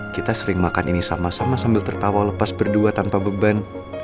kita sering makan ini sama sama sambil tertawa lepas berdua tanpa beban